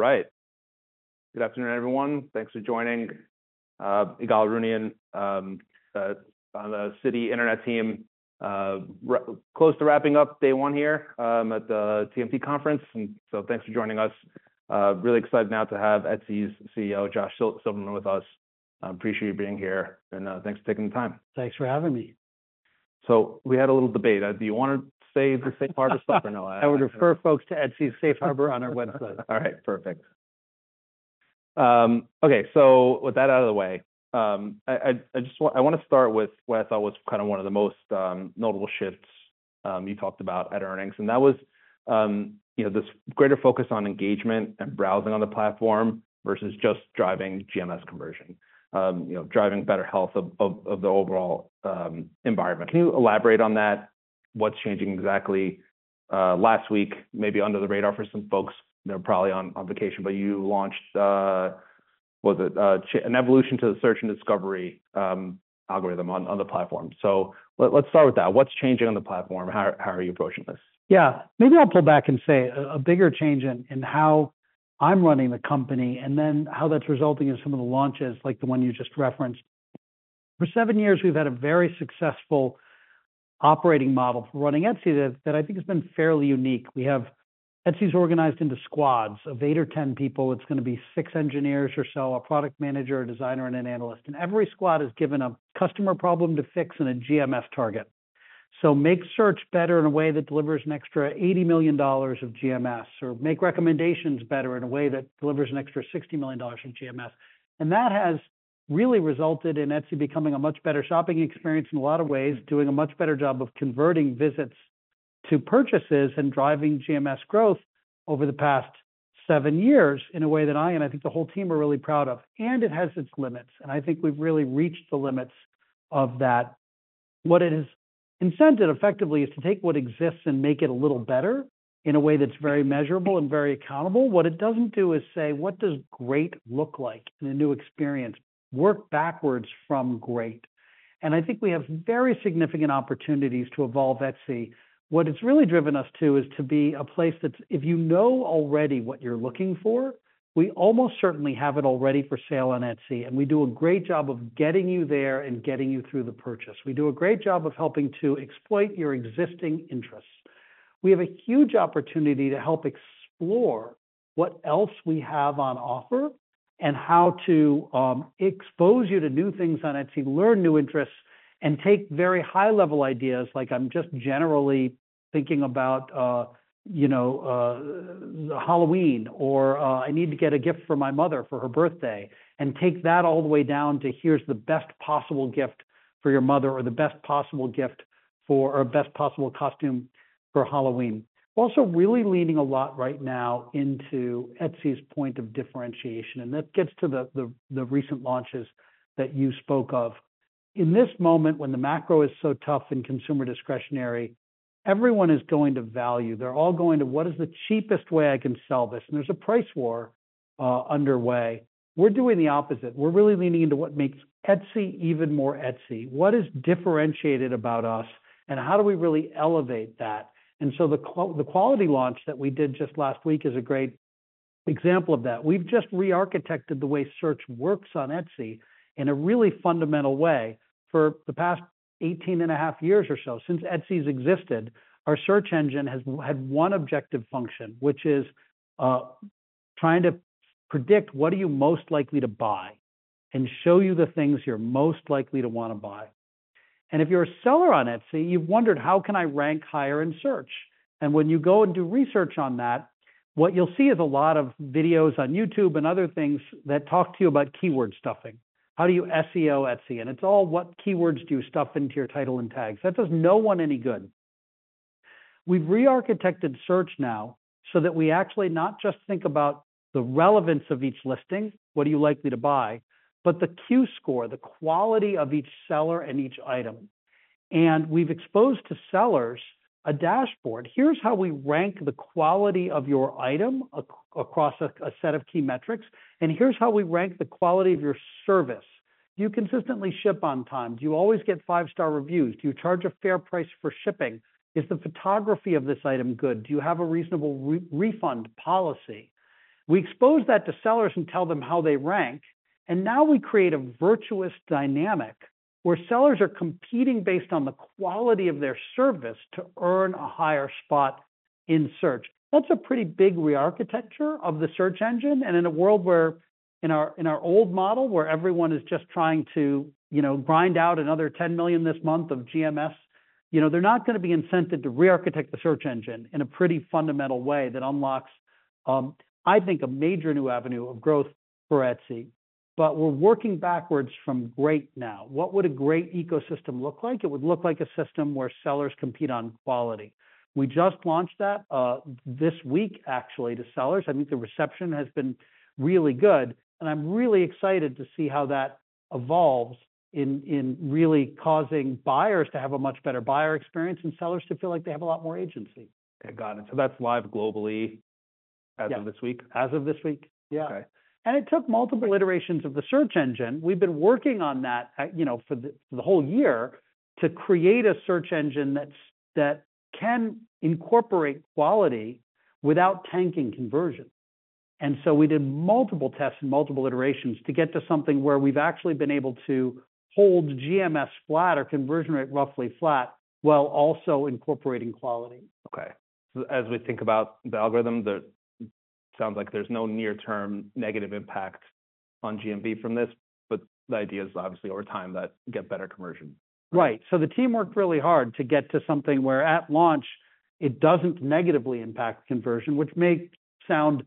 All right. Good afternoon, everyone. Thanks for joining Ygal Arounian on the Citi Internet team. We're close to wrapping up day one here at the TMT conference, and so thanks for joining us. Really excited now to have Etsy's CEO, Josh Silverman with us. I appreciate you being here, and thanks for taking the time. Thanks for having me. So we had a little debate. Do you want to say the safe harbor disclaimer? I would refer folks to Etsy's safe harbor on our website. All right, perfect. Okay, so with that out of the way, I just want- I wanna start with what I thought was kind of one of the most notable shifts you talked about at earnings, and that was, you know, this greater focus on engagement and browsing on the platform versus just driving GMS conversion. You know, driving better health of the overall environment. Can you elaborate on that? What's changing exactly? Last week, maybe under the radar for some folks, they're probably on vacation, but you launched... Was it an evolution to the search and discovery algorithm on the platform? So let's start with that. What's changing on the platform? How are you approaching this? Yeah. Maybe I'll pull back and say a bigger change in how I'm running the company, and then how that's resulting in some of the launches, like the one you just referenced. For seven years, we've had a very successful operating model for running Etsy, that I think has been fairly unique. We have. Etsy's organized into squads of eight or 10 people. It's gonna be six engineers or so, a product manager, a designer, and an analyst. And every squad is given a customer problem to fix and a GMS target. So make search better in a way that delivers an extra $80 million of GMS, or make recommendations better in a way that delivers an extra $60 million in GMS. That has really resulted in Etsy becoming a much better shopping experience in a lot of ways, doing a much better job of converting visits to purchases and driving GMS growth over the past seven years, in a way that I, and I think the whole team, are really proud of. It has its limits, and I think we've really reached the limits of that. What it has incented effectively is to take what exists and make it a little better in a way that's very measurable and very accountable. What it doesn't do is say, "What does great look like in a new experience? Work backwards from great." I think we have very significant opportunities to evolve Etsy. What it's really driven us to, is to be a place that's, if you know already what you're looking for, we almost certainly have it already for sale on Etsy, and we do a great job of getting you there and getting you through the purchase. We do a great job of helping to exploit your existing interests. We have a huge opportunity to help explore what else we have on offer, and how to expose you to new things on Etsy, learn new interests, and take very high-level ideas like, I'm just generally thinking about Halloween, or I need to get a gift for my mother for her birthday, and take that all the way down to, "Here's the best possible gift for your mother," or, "The best possible gift for..." or, "Best possible costume for Halloween." Also, really leaning a lot right now into Etsy's point of differentiation, and that gets to the recent launches that you spoke of. In this moment, when the macro is so tough in consumer discretionary, everyone is going to value. They're all going to: What is the cheapest way I can sell this? And there's a price war underway. We're doing the opposite. We're really leaning into what makes Etsy even more Etsy. What is differentiated about us, and how do we really elevate that? And so the quality launch that we did just last week is a great example of that. We've just rearchitected the way search works on Etsy in a really fundamental way. For the past 18.5 years or so, since Etsy's existed, our search engine had one objective function, which is trying to predict what are you most likely to buy, and show you the things you're most likely to wanna buy. And if you're a seller on Etsy, you've wondered, how can I rank higher in search? And when you go and do research on that, what you'll see is a lot of videos on YouTube and other things that talk to you about keyword stuffing. How do you SEO Etsy? And it's all what keywords do you stuff into your title and tags. That does no one any good. We've rearchitected search now, so that we actually not just think about the relevance of each listing, what are you likely to buy, but the Q score, the quality of each seller and each item. And we've exposed to sellers a dashboard. Here's how we rank the quality of your item across a set of key metrics, and here's how we rank the quality of your service. Do you consistently ship on time? Do you always get five-star reviews? Do you charge a fair price for shipping? Is the photography of this item good? Do you have a reasonable refund policy? We expose that to sellers and tell them how they rank, and now we create a virtuous dynamic, where sellers are competing based on the quality of their service to earn a higher spot in search. That's a pretty big re-architecture of the search engine, and in a world where, in our old model, where everyone is just trying to, you know, grind out another $10 million this month of GMS, you know, they're not gonna be incented to rearchitect the search engine in a pretty fundamental way that unlocks, I think, a major new avenue of growth for Etsy, but we're working backwards from great now. What would a great ecosystem look like? It would look like a system where sellers compete on quality. We just launched that, this week, actually, to sellers. I think the reception has been really good, and I'm really excited to see how that evolves in really causing buyers to have a much better buyer experience, and sellers to feel like they have a lot more agency. Okay, got it. So that's live globally- Yeah. as of this week? As of this week, yeah. Okay. It took multiple iterations of the search engine. We've been working on that, you know, for the whole year to create a search engine that's that can incorporate quality without tanking conversion. We did multiple tests and multiple iterations to get to something where we've actually been able to hold GMS flat or conversion rate roughly flat, while also incorporating quality. Okay, so as we think about the algorithm, it sounds like there's no near-term negative impact on GMS from this, but the idea is obviously over time, that gets better conversion. Right. So the team worked really hard to get to something where at launch, it doesn't negatively impact conversion, which may sound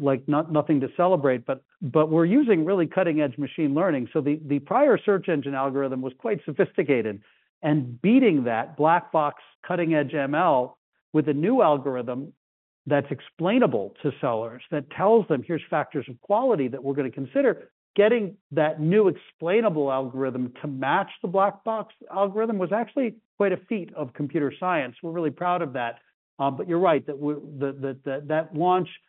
like not nothing to celebrate, but we're using really cutting-edge machine learning. So the prior search engine algorithm was quite sophisticated, and beating that black box, cutting-edge ML with a new algorithm that's explainable to sellers, that tells them, "Here's factors of quality that we're gonna consider," getting that new explainable algorithm to match the black box algorithm, was actually quite a feat of computer science. We're really proud of that. But you're right, that the launch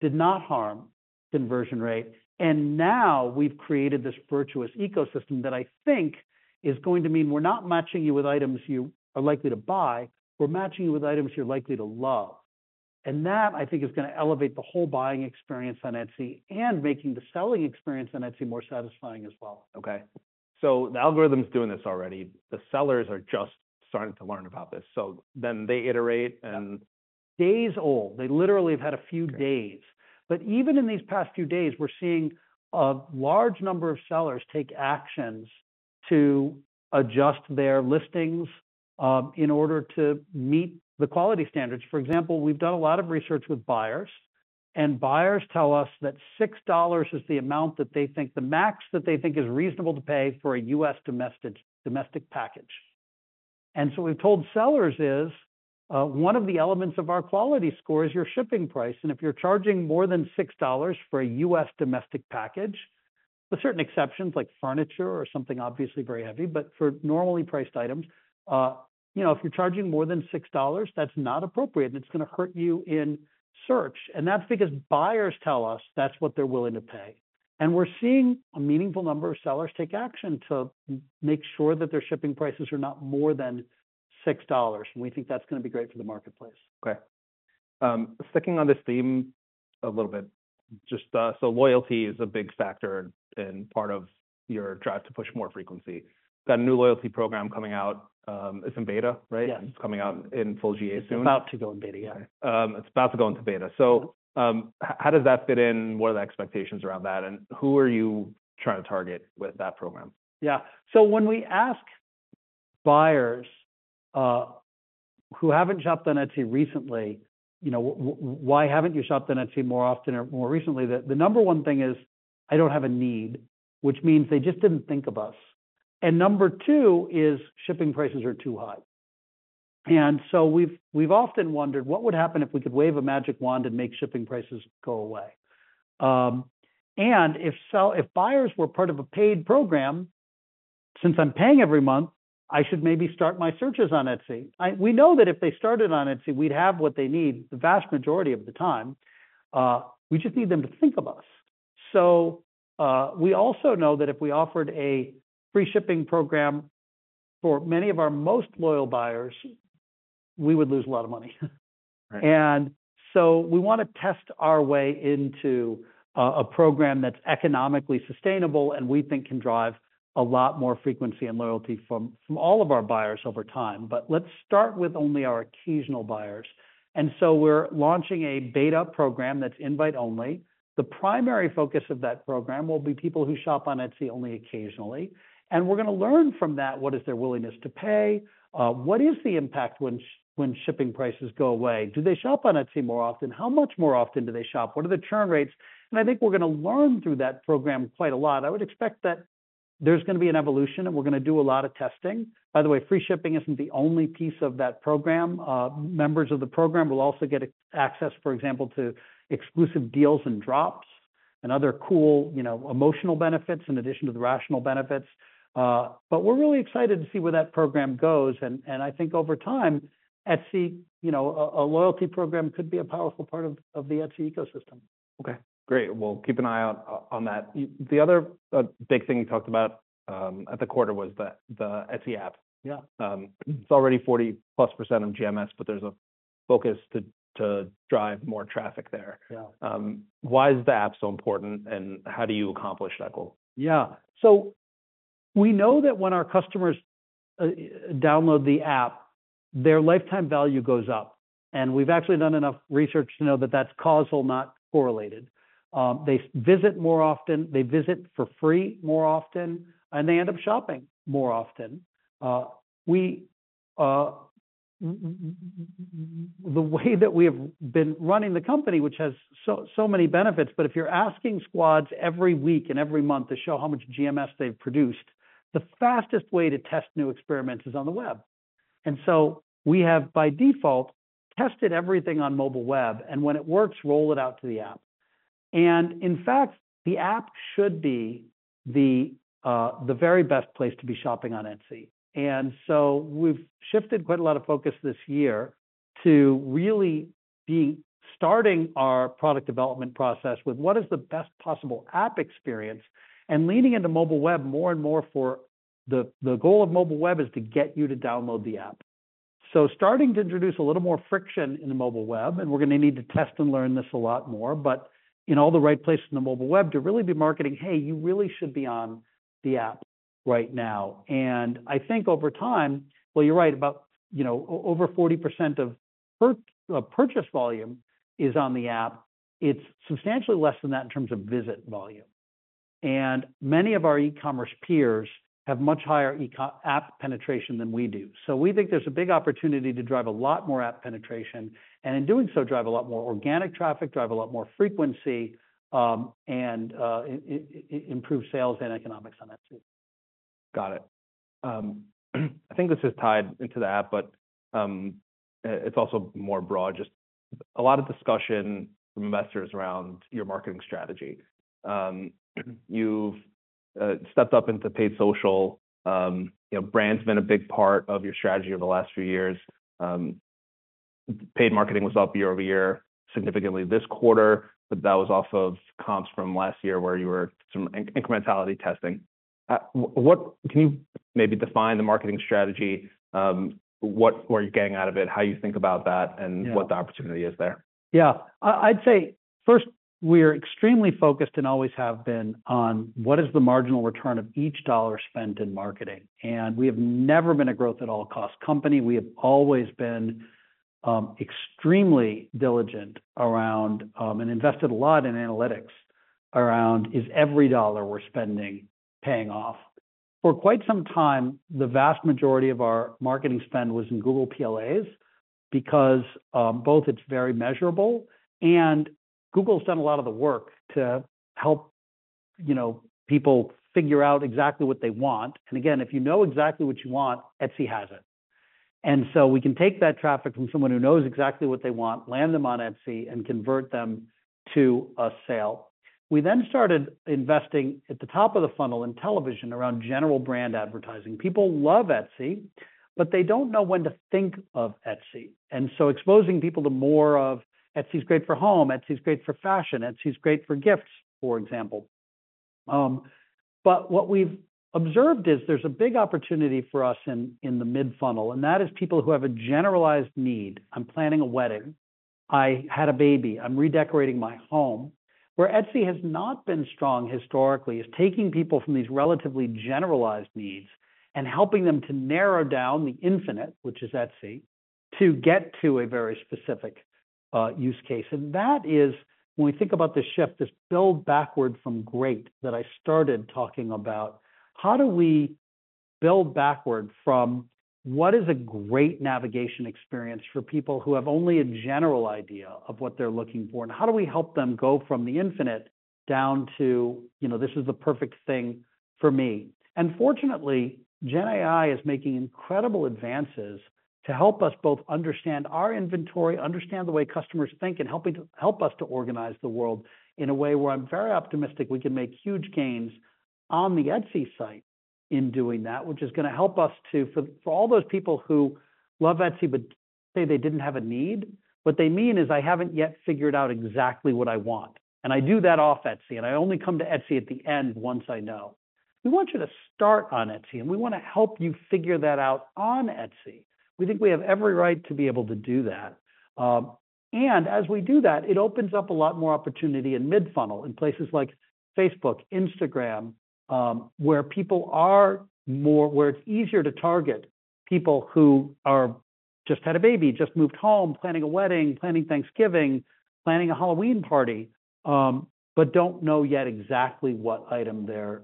did not harm conversion rate. And now we've created this virtuous ecosystem that I think is going to mean we're not matching you with items you are likely to buy, we're matching you with items you're likely to love. And that, I think, is gonna elevate the whole buying experience on Etsy and making the selling experience on Etsy more satisfying as well. Okay. So the algorithm is doing this already. The sellers are just starting to learn about this, so then they iterate and- Days old. They literally have had a few days, but even in these past few days, we're seeing a large number of sellers take actions to adjust their listings in order to meet the quality standards. For example, we've done a lot of research with buyers, and buyers tell us that $6 is the amount that they think, the max that they think is reasonable to pay for a U.S. domestic package, and so we've told sellers is, one of the elements of our quality score is your shipping price, and if you're charging more than $6 for a U.S. domestic package, with certain exceptions, like furniture or something obviously very heavy, but for normally priced items, you know, if you're charging more than $6, that's not appropriate, and it's gonna hurt you in search. That's because buyers tell us that's what they're willing to pay. We're seeing a meaningful number of sellers take action to make sure that their shipping prices are not more than $6, and we think that's gonna be great for the marketplace. Okay. Sticking on this theme a little bit, just, so loyalty is a big factor and part of your drive to push more frequency. Got a new loyalty program coming out, it's in beta, right? Yes. It's coming out in full GA soon. It's about to go in beta, yeah. It's about to go into beta. So, how does that fit in? What are the expectations around that, and who are you trying to target with that program? Yeah. So when we ask buyers who haven't shopped on Etsy recently, you know, why haven't you shopped on Etsy more often or more recently? The number one thing is: I don't have a need, which means they just didn't think of us. And number two is: shipping prices are too high. And so we've often wondered what would happen if we could wave a magic wand and make shipping prices go away? And if buyers were part of a paid program, since I'm paying every month, I should maybe start my searches on Etsy. We know that if they started on Etsy, we'd have what they need the vast majority of the time, we just need them to think of us. We also know that if we offered a free shipping program for many of our most loyal buyers, we would lose a lot of money. Right. And so we want to test our way into a program that's economically sustainable and we think can drive a lot more frequency and loyalty from all of our buyers over time. But let's start with only our occasional buyers. And so we're launching a beta program that's invite only. The primary focus of that program will be people who shop on Etsy only occasionally, and we're gonna learn from that, what is their willingness to pay? What is the impact when shipping prices go away? Do they shop on Etsy more often? How much more often do they shop? What are the churn rates? And I think we're gonna learn through that program quite a lot. I would expect that there's gonna be an evolution, and we're gonna do a lot of testing. By the way, free shipping isn't the only piece of that program. Members of the program will also get access, for example, to exclusive deals and drops and other cool, you know, emotional benefits in addition to the rational benefits, but we're really excited to see where that program goes, and I think over time, Etsy, you know, a loyalty program could be a powerful part of the Etsy ecosystem. Okay, great. We'll keep an eye out on that. The other big thing you talked about at the quarter was the Etsy app. Yeah. It's already 40+% of GMS, but there's a focus to drive more traffic there. Yeah. Why is the app so important, and how do you accomplish that goal? Yeah, so we know that when our customers download the app, their lifetime value goes up, and we've actually done enough research to know that that's causal, not correlated. They visit more often, they visit for free more often, and they end up shopping more often. The way that we have been running the company, which has so, so many benefits, but if you're asking squads every week and every month to show how much GMS they've produced, the fastest way to test new experiments is on the web. We have, by default, tested everything on mobile web, and when it works, roll it out to the app. In fact, the app should be the very best place to be shopping on Etsy. We've shifted quite a lot of focus this year... to really be starting our product development process with what is the best possible app experience, and leaning into mobile web more and more for the goal of mobile web is to get you to download the app. So starting to introduce a little more friction in the mobile web, and we're gonna need to test and learn this a lot more, but in all the right places in the mobile web, to really be marketing, "Hey, you really should be on the app right now." And I think over time, well, you're right about, you know, over 40% of purchase volume is on the app. It's substantially less than that in terms of visit volume. And many of our e-commerce peers have much higher e-commerce app penetration than we do. We think there's a big opportunity to drive a lot more app penetration, and in doing so, drive a lot more organic traffic, drive a lot more frequency, and improve sales and economics on Etsy. Got it. I think this is tied into the app, but it's also more broad, just a lot of discussion from investors around your marketing strategy. You've stepped up into paid social, you know, brand's been a big part of your strategy over the last few years. Paid marketing was up year over year, significantly this quarter, but that was off of comps from last year, where you were some incrementality testing. What can you maybe define the marketing strategy, what were you getting out of it, how you think about that, and- Yeah. What the opportunity is there? Yeah. I, I'd say first, we are extremely focused and always have been, on what is the marginal return of each dollar spent in marketing. And we have never been a growth at all cost company, we have always been, extremely diligent around, and invested a lot in analytics, around, is every dollar we're spending, paying-off? For quite some time, the vast majority of our marketing spend was in Google PLAs, because, both, it's very measurable, and Google's done a lot of the work to help, you know, people figure out exactly what they want. And again, if you know exactly what you want, Etsy has it. And so we can take that traffic from someone who knows exactly what they want, land them on Etsy, and convert them to a sale. We then started investing at the top of the funnel in television around general brand advertising. People love Etsy, but they don't know when to think of Etsy. And so exposing people to more of Etsy's great for home, Etsy's great for fashion, Etsy's great for gifts, for example. But what we've observed is there's a big opportunity for us in the mid funnel, and that is people who have a generalized need. I'm planning a wedding, I had a baby, I'm redecorating my home. Where Etsy has not been strong historically is taking people from these relatively generalized needs and helping them to narrow down the infinite, which is Etsy, to get to a very specific use case. And that is when we think about the shift, this build backward from great, that I started talking about, how do we build backward from what is a great navigation experience for people who have only a general idea of what they're looking for? And how do we help them go from the infinite down to, you know, this is the perfect thing for me. And fortunately, GenAI is making incredible advances to help us both understand our inventory, understand the way customers think, and help us to organize the world in a way where I'm very optimistic we can make huge gains on the Etsy site in doing that, which is gonna help us to... For all those people who love Etsy, but say they didn't have a need, what they mean is, I haven't yet figured out exactly what I want, and I do that off Etsy, and I only come to Etsy at the end once I know. We want you to start on Etsy, and we wanna help you figure that out on Etsy. We think we have every right to be able to do that. And as we do that, it opens up a lot more opportunity in mid funnel, in places like Facebook, Instagram, where people are more where it's easier to target people who are just had a baby, just moved home, planning a wedding, planning Thanksgiving, planning a Halloween party, but don't know yet exactly what item they're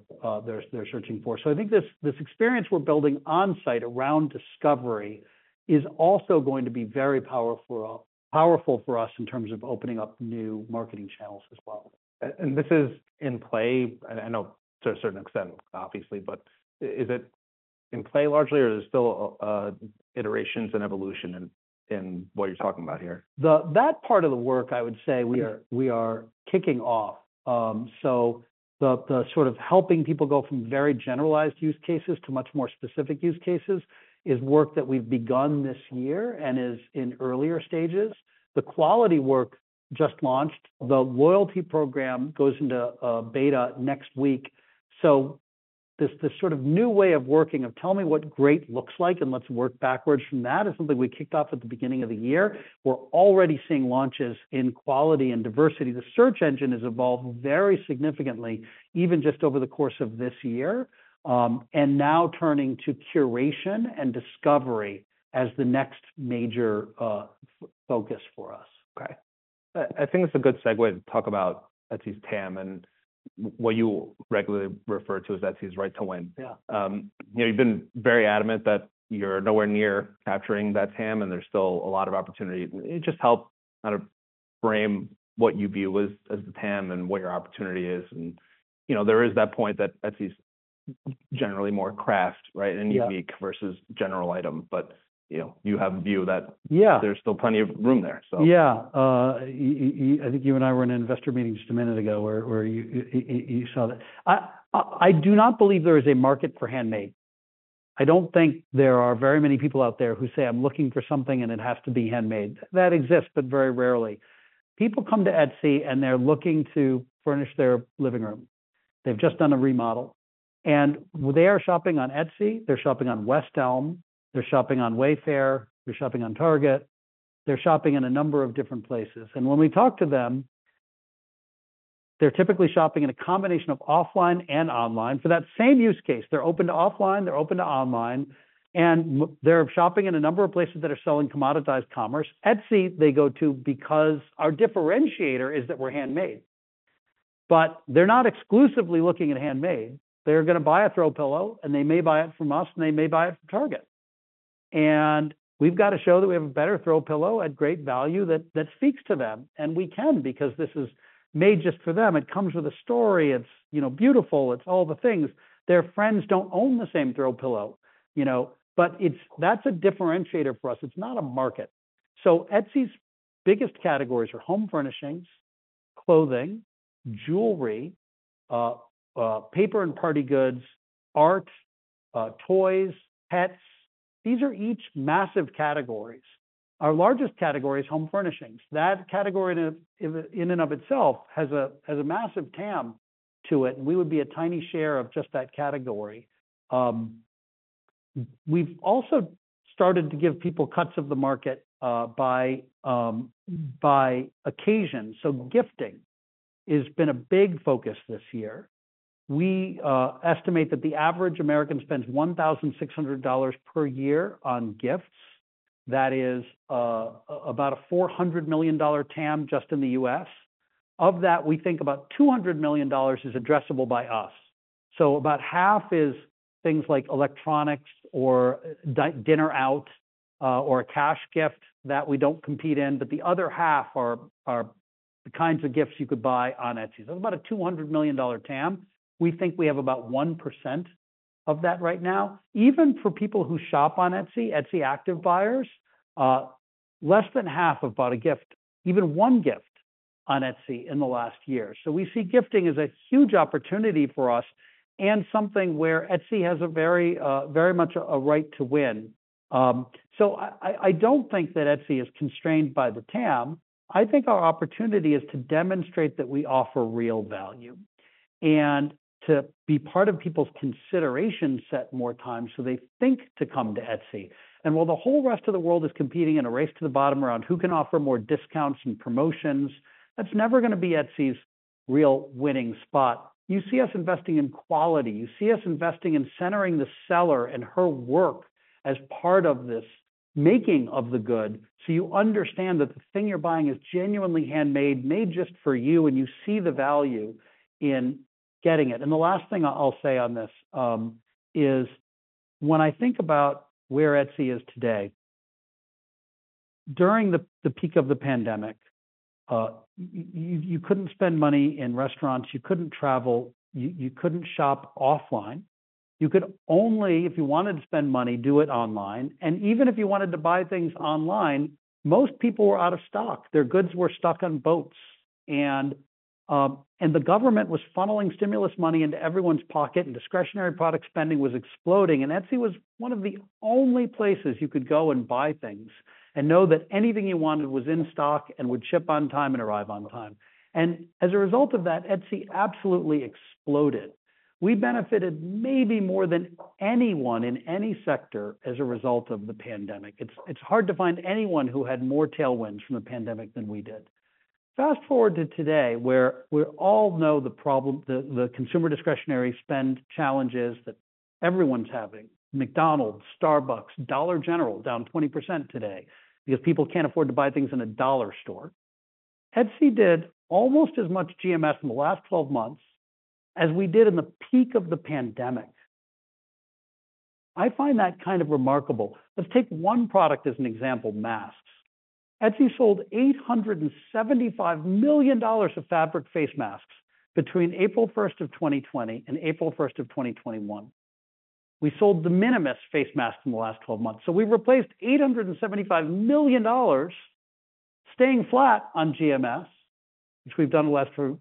searching for. So I think this experience we're building on-site around discovery is also going to be very powerful for us in terms of opening up new marketing channels as well. This is in play, I know to a certain extent, obviously, but is it in play largely, or is there still iterations and evolution in what you're talking about here? That part of the work, I would say we are kicking off. So the sort of helping people go from very generalized use cases to much more specific use cases is work that we've begun this year and is in earlier stages. The quality work just launched. The loyalty program goes into beta next week. So this sort of new way of working, of tell me what great looks like, and let's work backwards from that, is something we kicked off at the beginning of the year. We're already seeing launches in quality and diversity. The search engine has evolved very significantly, even just over the course of this year, and now turning to curation and discovery as the next major focus for us. Okay. I think it's a good segue to talk about Etsy's TAM and what you regularly refer to as Etsy's right to win. Yeah. You know, you've been very adamant that you're nowhere near capturing that TAM, and there's still a lot of opportunity. It just helped kind of frame what you view as the TAM and what your opportunity is. And, you know, there is that point that Etsy's generally more craft, right? Yeah. Unique versus general item, but, you know, you have a view that- Yeah. There's still plenty of room there, so. Yeah. I think you and I were in an investor meeting just a minute ago, where you saw that. I do not believe there is a market for handmade. I don't think there are very many people out there who say, "I'm looking for something, and it has to be handmade." That exists, but very rarely. People come to Etsy and they're looking to furnish their living room. They've just done a remodel, and they are shopping on Etsy, they're shopping on West Elm, they're shopping on Wayfair, they're shopping on Target, they're shopping in a number of different places. And when we talk to them, they're typically shopping in a combination of offline and online. For that same use case, they're open to offline, they're open to online, and they're shopping in a number of places that are selling commoditized commerce. Etsy they go to because our differentiator is that we're handmade, but they're not exclusively looking at handmade. They're gonna buy a throw pillow, and they may buy it from us, and they may buy it from Target, and we've got to show that we have a better throw pillow at great value that speaks to them, and we can because this is made just for them. It comes with a story; it's, you know, beautiful; it's all the things. Their friends don't own the same throw pillow, you know, but it's, that's a differentiator for us. It's not a market, so Etsy's biggest categories are home furnishings, clothing, jewelry, paper and party goods, art, toys, pets. These are each massive categories. Our largest category is home furnishings. That category in and of itself has a massive TAM to it, and we would be a tiny share of just that category. We've also started to give people cuts of the market by occasion. So gifting has been a big focus this year. We estimate that the average American spends $1,600 per year on gifts. That is about a $400 million TAM just in the U.S. Of that, we think about $200 million is addressable by us. So about half is things like electronics or dinner-out or a cash gift that we don't compete in, but the other half are the kinds of gifts you could buy on Etsy. So about a $200 million TAM. We think we have about 1% of that right now. Even for people who shop on Etsy, Etsy active buyers, less than half have bought a gift, even one gift on Etsy in the last year. So we see gifting as a huge opportunity for us and something where Etsy has a very, very much a right to win. So I don't think that Etsy is constrained by the TAM. I think our opportunity is to demonstrate that we offer real value, and to be part of people's consideration set more time, so they think to come to Etsy. And while the whole rest of the world is competing in a race to the bottom around who can offer more discounts and promotions, that's never gonna be Etsy's real winning spot. You see us investing in quality, you see us investing in centering the seller and her work as part of this making of the good, so you understand that the thing you're buying is genuinely handmade, made just for you, and you see the value in getting it. And the last thing I'll say on this, is when I think about where Etsy is today, during the peak of the pandemic, you couldn't spend money in restaurants, you couldn't travel, you couldn't shop offline. You could only, if you wanted to spend money, do it online. And even if you wanted to buy things online, most people were out of stock. Their goods were stuck on boats. The government was funneling stimulus money into everyone's pocket, and discretionary product spending was exploding, and Etsy was one of the only places you could go and buy things, and know that anything you wanted was in stock and would ship on time and arrive on time. As a result of that, Etsy absolutely exploded. We benefited maybe more than anyone in any sector as a result of the pandemic. It's hard to find anyone who had more tailwinds from the pandemic than we did. Fast forward to today, where we all know the problem, the consumer discretionary spend challenges that everyone's having. McDonald's, Starbucks, Dollar General, down 20% today, because people can't afford to buy things in a dollar store. Etsy did almost as much GMS in the last 12 months as we did in the peak of the pandemic. I find that kind of remarkable. Let's take one product as an example, masks. Etsy sold $875 million of fabric face masks between April first of 2020 and April first of 2021. We sold de minimis face masks in the last twelve months. So we've replaced $875 million, staying flat on GMS, which we've done the last for.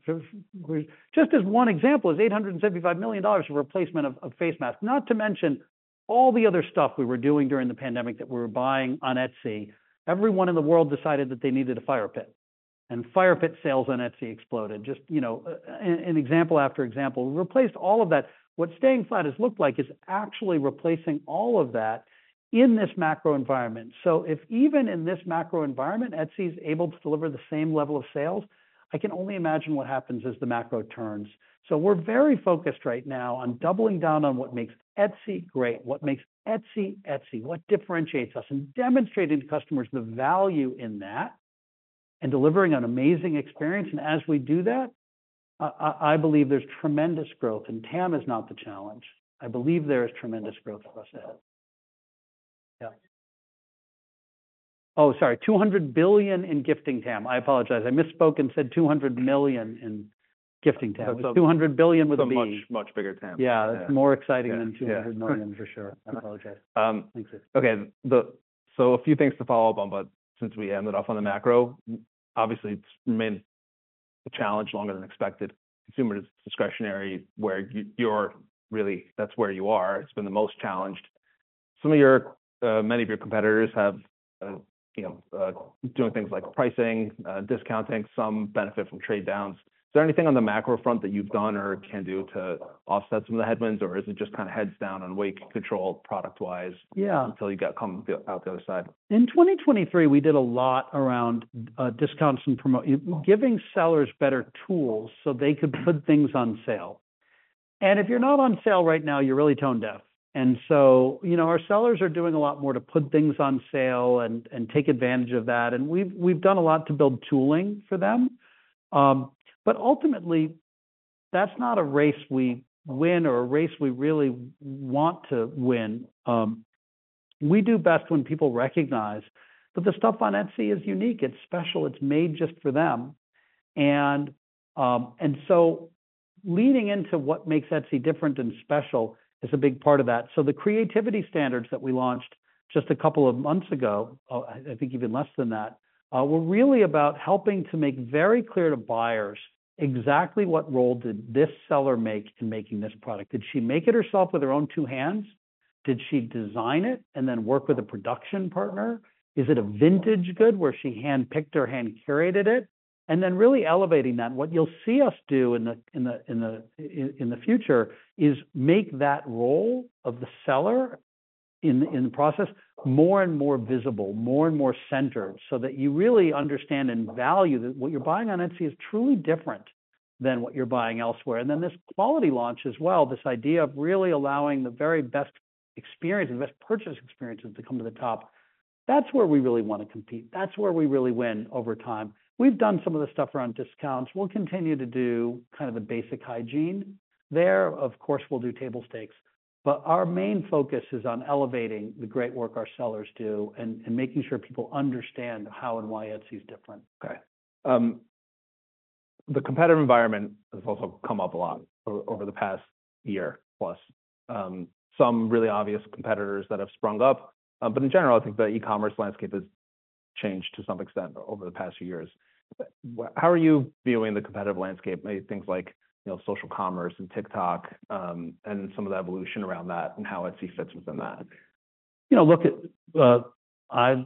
Just as one example, is $875 million of replacement of face masks. Not to mention all the other stuff we were doing during the pandemic that we were buying on Etsy. Everyone in the world decided that they needed a fire pit, and fire pit sales on Etsy exploded. Just, you know, an example after example, replaced all of that. What staying flat has looked like is actually replacing all of that in this macro environment. So if even in this macro environment, Etsy is able to deliver the same level of sales, I can only imagine what happens as the macro turns. So we're very focused right now on doubling down on what makes Etsy great, what makes Etsy, Etsy, what differentiates us, and demonstrating to customers the value in that, and delivering an amazing experience. And as we do that, I believe there's tremendous growth, and TAM is not the challenge. I believe there is tremendous growth for us ahead. Yeah. Oh, sorry, $200 billion in gifting TAM. I apologize. I misspoke and said $200 million in gifting TAM. It's $200 billion with a B. So much, much bigger TAM. Yeah, that's more exciting- Yeah. than $200 million, for sure. I apologize. Okay. So a few things to follow up on, but since we ended off on the macro, obviously, it's remained a challenge longer than expected. Consumer discretionary, where you, you're really, that's where you are, it's been the most challenged. Some of your, many of your competitors have, you know, doing things like pricing, discounting, some benefit from trade downs. Is there anything on the macro front that you've done or can do to offset some of the headwinds, or is it just kind of heads down on what you can control product-wise? Yeah. Until you get come out the other side? In 2023, we did a lot around discounts and promotions, giving sellers better tools so they could put things on sale. If you're not on sale right now, you're really tone deaf. You know, our sellers are doing a lot more to put things on sale and take advantage of that, and we've done a lot to build tooling for them. Ultimately, that's not a race we win or a race we really want to win. We do best when people recognize that the stuff on Etsy is unique, it's special, it's made just for them. Leaning into what makes Etsy different and special is a big part of that. So the Creativity Standards that we launched just a couple of months ago, I think even less than that, were really about helping to make very clear to buyers exactly what role did this seller make in making this product. Did she make it herself with her own two hands? Did she design it and then work with a production partner? Is it a vintage good, where she handpicked or hand-curated it? And then really elevating that. What you'll see us do in the future is make that role of the seller in the process more and more visible, more and more centered, so that you really understand and value that what you're buying on Etsy is truly different than what you're buying elsewhere. And then this quality launch as well, this idea of really allowing the very best experience, the best purchase experiences to come to the top. That's where we really wanna compete. That's where we really win over time. We've done some of the stuff around discounts. We'll continue to do kind of a basic hygiene there. Of course, we'll do table stakes, but our main focus is on elevating the great work our sellers do and making sure people understand how and why Etsy is different. Okay. The competitive environment has also come up a lot over the past year plus. Some really obvious competitors that have sprung up, but in general, I think the e-commerce landscape has changed to some extent over the past few years. How are you viewing the competitive landscape, things like, you know, social commerce and TikTok, and some of the evolution around that, and how Etsy fits within that? You know, look, I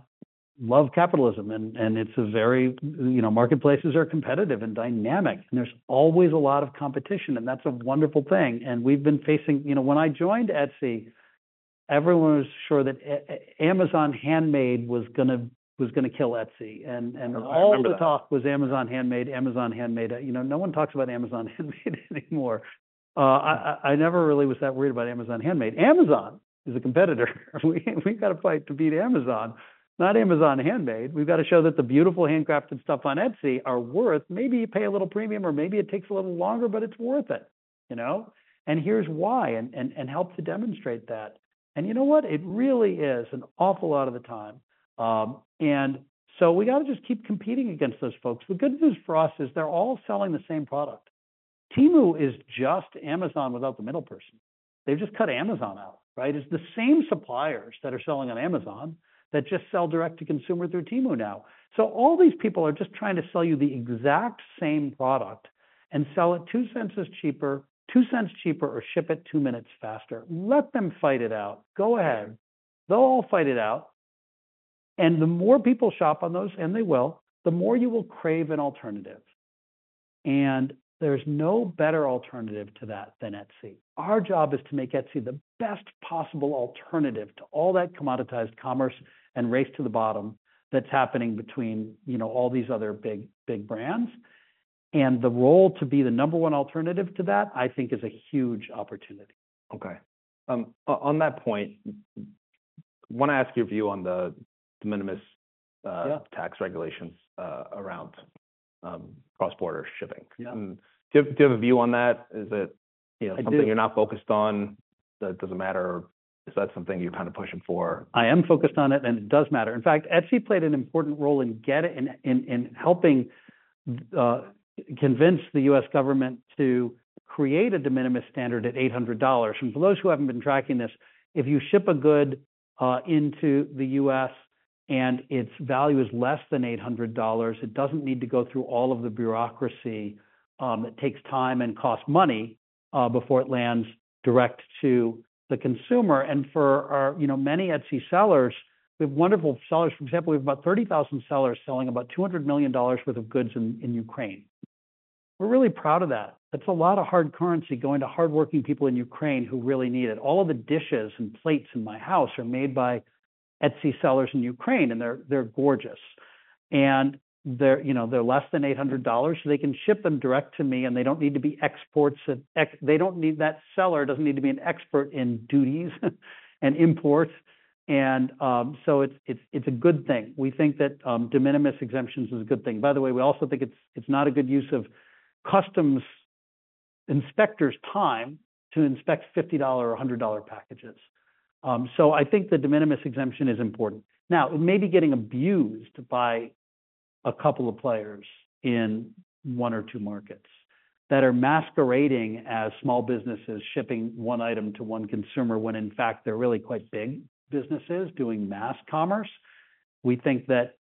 love capitalism, and, and it's a very, you know, marketplaces are competitive and dynamic, and there's always a lot of competition, and that's a wonderful thing. And we've been facing, you know, when I joined Etsy, everyone was sure that Amazon Handmade was gonna kill Etsy, and- I remember that. All the talk was Amazon Handmade, Amazon Handmade. You know, no one talks about Amazon Handmade anymore. I never really was that worried about Amazon Handmade. Amazon is a competitor. We, we've got to fight to beat Amazon, not Amazon Handmade. We've got to show that the beautiful handcrafted stuff on Etsy are worth maybe you pay a little premium or maybe it takes a little longer, but it's worth it, you know? And here's why, and help to demonstrate that. And you know what? It really is an awful lot of the time. And so we got to just keep competing against those folks. The good news for us is they're all selling the same product. Temu is just Amazon without the middle person. They've just cut Amazon out, right? It's the same suppliers that are selling on Amazon that just sell direct to consumer through Temu now. So all these people are just trying to sell you the exact same product and sell it two cents cheaper, two cents cheaper or ship it two minutes faster. Let them fight it out. Go ahead. They'll all fight it out, and the more people shop on those, and they will, the more you will crave an alternative. And there's no better alternative to that than Etsy. Our job is to make Etsy the best possible alternative to all that commoditized commerce and race to the bottom that's happening between, you know, all these other big, big brands. And the role to be the number one alternative to that, I think, is a huge opportunity. Okay. On that point, want to ask your view on the de minimis, Yeah... tax regulations around cross-border shipping. Yeah. Do you have a view on that? Is it, you know- I do. Something you're not focused on, that doesn't matter, or is that something you're kind of pushing for? I am focused on it, and it does matter. In fact, Etsy played an important role in helping convince the U.S. government to create a de minimis standard at $800. For those who haven't been tracking this, if you ship a good into the U.S. and its value is less than $800, it doesn't need to go through all of the bureaucracy. It takes time and costs money before it lands direct to the consumer. For our, you know, many Etsy sellers, we have wonderful sellers. For example, we have about 30,000 sellers selling about $200 million worth of goods in Ukraine. We're really proud of that. That's a lot of hard currency going to hardworking people in Ukraine who really need it. All of the dishes and plates in my house are made by Etsy sellers in Ukraine, and they're gorgeous, and they're, you know, they're less than $800, so they can ship them direct to me, and they don't need to be exports. They don't need... That seller doesn't need to be an expert in duties and imports, and so it's a good thing. We think that de minimis exemptions is a good thing. By the way, we also think it's not a good use of customs inspector's time to inspect $50 or $100 packages. So I think the de minimis exemption is important. Now, it may be getting abused by a couple of players in one or two markets that are masquerading as small businesses shipping one item to one consumer, when in fact, they're really quite big businesses doing mass commerce. We think that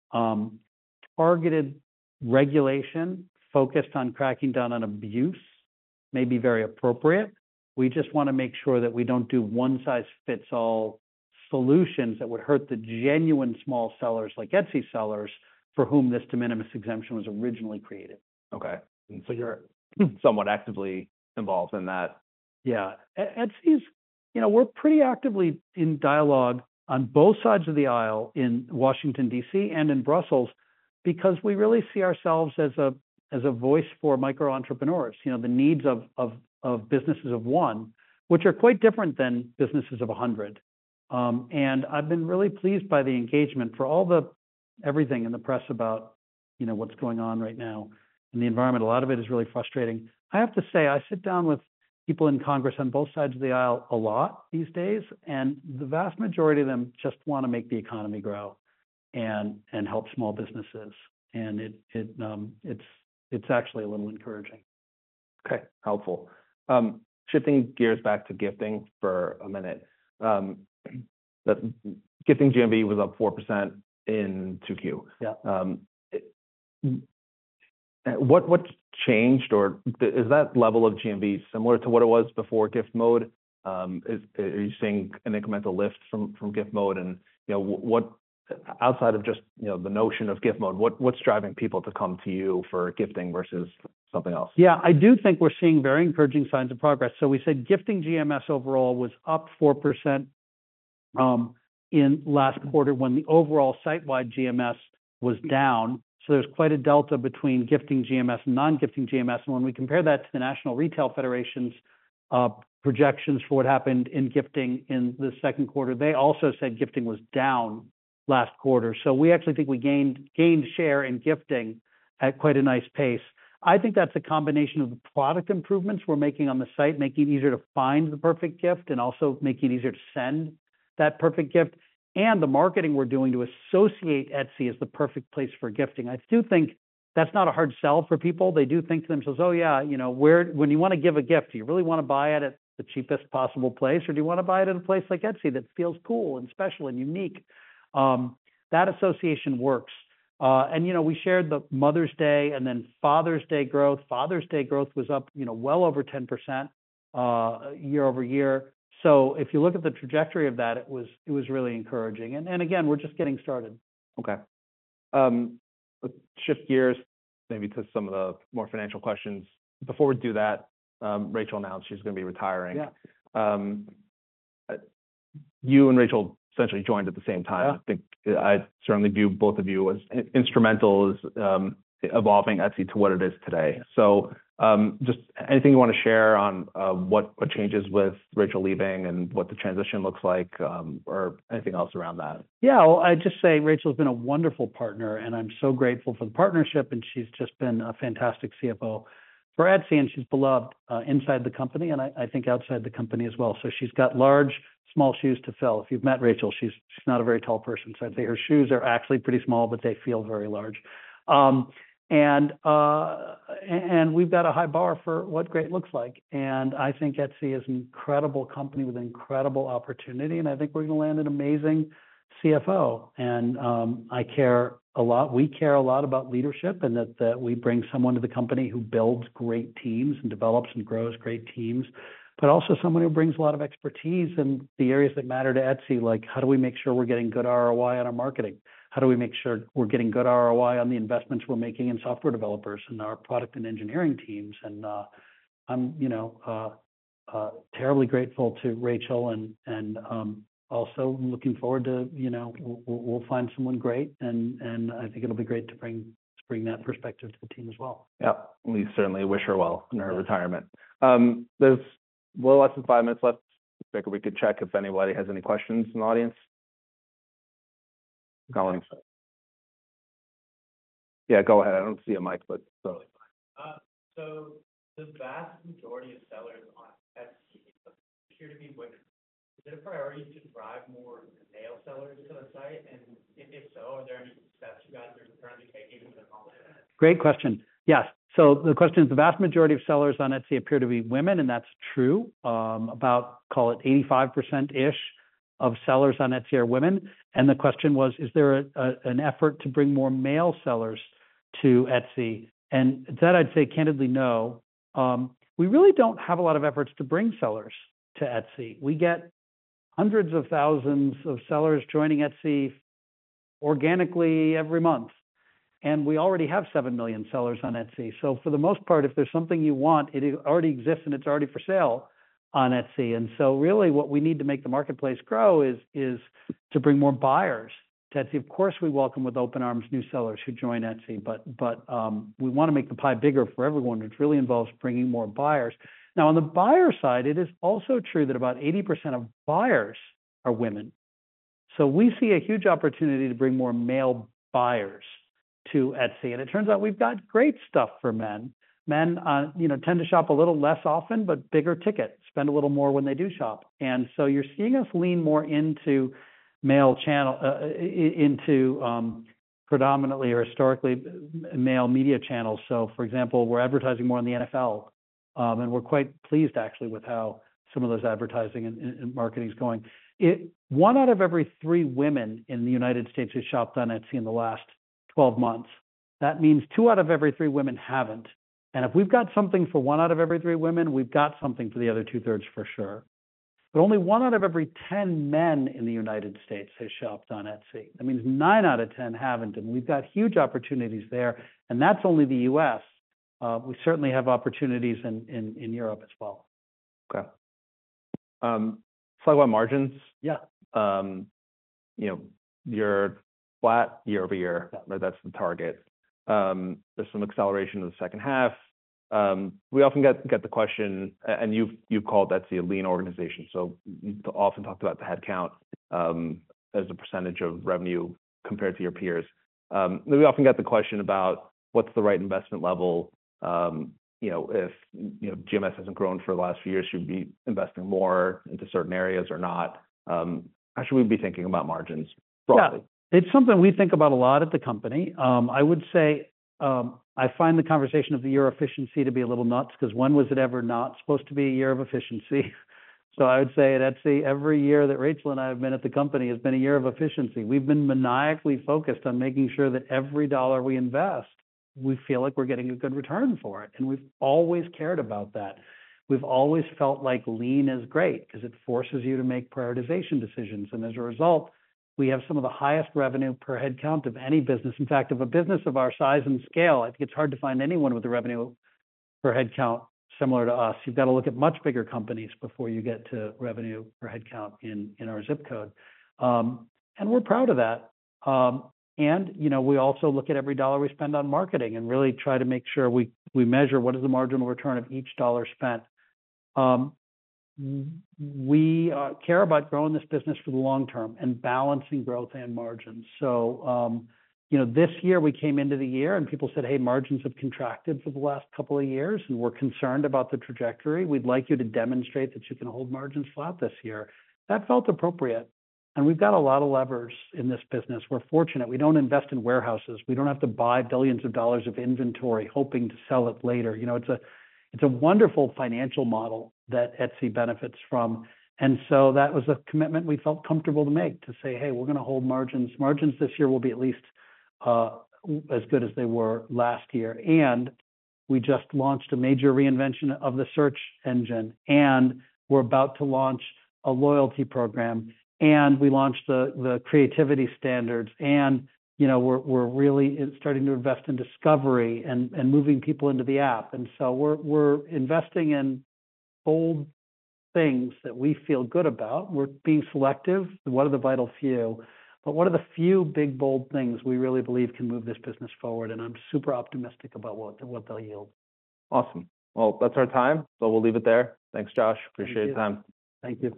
targeted regulation focused on cracking down on abuse may be very appropriate. We just want to make sure that we don't do one-size-fits-all solutions that would hurt the genuine small sellers, like Etsy sellers, for whom this de minimis exemption was originally created. Okay. So you're somewhat actively involved in that? Yeah. Etsy's, you know, we're pretty actively in dialogue on both sides of the aisle in Washington, D.C., and in Brussels, because we really see ourselves as a, as a voice for micro entrepreneurs. You know, the needs of businesses of one, which are quite different than businesses of a hundred. And I've been really pleased by the engagement for all the everything in the press about, you know, what's going on right now in the environment. A lot of it is really frustrating. I have to say, I sit down with people in Congress on both sides of the aisle a lot these days, and the vast majority of them just wanna make the economy grow and help small businesses. And it, it's actually a little encouraging. Okay, helpful. Shifting gears back to gifting for a minute. The gifting GMV was up 4% in 2Q. Yeah. What's changed, or is that level of GMV similar to what it was before Gift Mode? Are you seeing an incremental lift from Gift Mode? And, you know, what outside of just, you know, the notion of Gift Mode, what's driving people to come to you for gifting versus something else? Yeah, I do think we're seeing very encouraging signs of progress. So we said gifting GMS overall was up 4% in last quarter when the overall site-wide GMS was down. So there's quite a delta between gifting GMS and non-gifting GMS. And when we compare that to the National Retail Federation's projections for what happened in gifting in the second quarter, they also said gifting was down last quarter. So we actually think we gained share in gifting at quite a nice pace. I think that's a combination of the product improvements we're making on the site, making it easier to find the perfect gift, and also making it easier to send that perfect gift, and the marketing we're doing to associate Etsy as the perfect place for gifting. I do think that's not a hard sell for people. They do think to themselves, "Oh, yeah, you know, where when you want to give a gift, do you really want to buy it at the cheapest possible place, or do you want to buy it at a place like Etsy that feels cool and special and unique?" That association works. And, you know, we shared the Mother's Day and then Father's Day growth. Father's Day growth was up, you know, well over 10%, year-over-year. So if you look at the trajectory of that, it was really encouraging. And again, we're just getting started. Okay. Let's shift gears maybe to some of the more financial questions. Before we do that, Rachel announced she's gonna be retiring. Yeah. You and Rachel essentially joined at the same time. Yeah. I think I certainly view both of you as instrumental in evolving Etsy to what it is today. Just anything you want to share on what changes with Rachel leaving and what the transition looks like, or anything else around that? Yeah, well, I'd just say Rachel's been a wonderful partner, and I'm so grateful for the partnership, and she's just been a fantastic CFO for Etsy, and she's beloved inside the company and I think outside the company as well. So she's got large, small shoes to fill. If you've met Rachel, she's not a very tall person, so I'd say her shoes are actually pretty small, but they feel very large, and we've got a high bar for what great looks like, and I think Etsy is an incredible company with incredible opportunity, and I think we're going to land an amazing CFO. I care a lot, we care a lot about leadership and that we bring someone to the company who builds great teams and develops and grows great teams, but also someone who brings a lot of expertise in the areas that matter to Etsy, like, how do we make sure we're getting good ROI on our marketing? How do we make sure we're getting good ROI on the investments we're making in software developers and our product and engineering teams? I'm, you know, terribly grateful to Rachel and also looking forward to, you know, we'll find someone great, and I think it'll be great to bring that perspective to the team as well. Yeah. We certainly wish her well in her retirement. There's a little less than five minutes left. We could check if anybody has any questions in the audience. Go ahead. Yeah, go ahead. I don't see a mic, but certainly. So the vast majority of sellers on Etsy appear to be women. Is it a priority to drive more male sellers to the site? And if so, are there any steps you guys are currently taking to accomplish that? Great question. Yes, so the question is, the vast majority of sellers on Etsy appear to be women, and that's true. About, call it 85%-ish of sellers on Etsy are women. And the question was, is there an effort to bring more male sellers to Etsy? And to that, I'd say candidly, no. We really don't have a lot of efforts to bring sellers to Etsy. We get hundreds of thousands of sellers joining Etsy organically every month, and we already have seven million sellers on Etsy. So for the most part, if there's something you want, it already exists and it's already for sale on Etsy. And so really, what we need to make the marketplace grow is to bring more buyers to Etsy. Of course, we welcome with open arms new sellers who join Etsy, but we want to make the pie bigger for everyone, which really involves bringing more buyers. Now, on the buyer side, it is also true that about 80% of buyers are women. So we see a huge opportunity to bring more male buyers to Etsy, and it turns out we've got great stuff for men. Men, you know, tend to shop a little less often, but bigger ticket, spend a little more when they do shop. And so you're seeing us lean more into male channel into predominantly or historically male media channels. So for example, we're advertising more on the NFL, and we're quite pleased, actually, with how some of those advertising and marketing is going. One out of every three women in the United States has shopped on Etsy in the last twelve months. That means two out of every three women haven't, and if we've got something for one out of every three women, we've got something for the other two-thirds, for sure, but only one out of every ten men in the United States has shopped on Etsy. That means nine out of ten haven't, and we've got huge opportunities there, and that's only the U.S. We certainly have opportunities in Europe as well. Okay. So about margins- Yeah. You know, you're flat year-over-year. Yeah. That's the target. There's some acceleration in the second half. We often get the question, and you've called Etsy a lean organization, so you often talked about the headcount as a percentage of revenue compared to your peers. We often get the question about what's the right investment level, you know, if, you know, GMS hasn't grown for the last few years, should we be investing more into certain areas or not? How should we be thinking about margins, broadly? Yeah. It's something we think about a lot at the company. I would say, I find the conversation of the year efficiency to be a little nuts, 'cause when was it ever not supposed to be a year of efficiency? So I would say at Etsy, every year that Rachel and I have been at the company has been a year of efficiency. We've been maniacally focused on making sure that every dollar we invest, we feel like we're getting a good return for it, and we've always cared about that. We've always felt like lean is great 'cause it forces you to make prioritization decisions, and as a result, we have some of the highest revenue per headcount of any business. In fact, of a business of our size and scale, I think it's hard to find anyone with a revenue per headcount similar to us. You've got to look at much bigger companies before you get to revenue per headcount in our zip code. And we're proud of that. And, you know, we also look at every dollar we spend on marketing and really try to make sure we measure what is the marginal return of each dollar spent. We care about growing this business for the long term and balancing growth and margins. So, you know, this year we came into the year and people said, "Hey, margins have contracted for the last couple of years, and we're concerned about the trajectory. We'd like you to demonstrate that you can hold margins flat this year." That felt appropriate, and we've got a lot of levers in this business. We're fortunate. We don't invest in warehouses. We don't have to buy billions of dollars of inventory, hoping to sell it later. You know, it's a wonderful financial model that Etsy benefits from, and so that was a commitment we felt comfortable to make, to say, "Hey, we're gonna hold margins." Margins this year will be at least as good as they were last year. And we just launched a major reinvention of the search engine, and we're about to launch a loyalty program, and we launched the Creativity Standards, and, you know, we're really starting to invest in discovery and moving people into the app. And so we're investing in bold things that we feel good about. We're being selective, what are the vital few? But what are the few big, bold things we really believe can move this business forward, and I'm super optimistic about what they'll yield. Awesome. Well, that's our time, but we'll leave it there. Thanks, Josh. Appreciate your time. Thank you.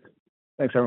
Thanks, Aaroun.